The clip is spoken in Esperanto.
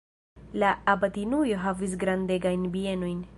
La abatinujo havis grandegajn bienojn.